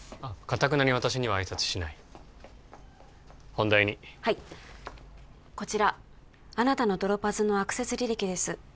かたくなに私には挨拶しない本題にはいこちらあなたのドロパズのアクセス履歴です